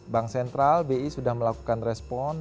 bank sentral bi sudah melakukan respon